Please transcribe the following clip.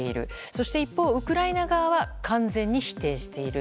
そして一方、ウクライナ側は完全に否定している。